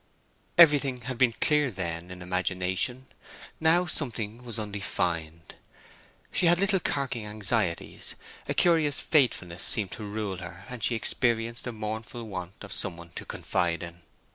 Everything had been clear then, in imagination; now something was undefined. She had little carking anxieties; a curious fatefulness seemed to rule her, and she experienced a mournful want of some one to confide in.